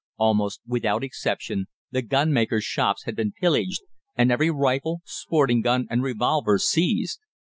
Almost without exception the gunmakers' shops had been pillaged, and every rifle, sporting gun, and revolver seized.